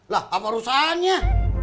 lah apa urusannya